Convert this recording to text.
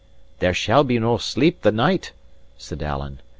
"There shall be no sleep the night!" said Alan.